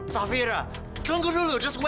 safira tunggu dulu